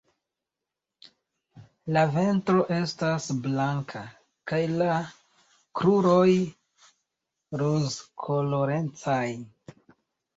La ventro estas blanka kaj la kruroj rozkolorecaj.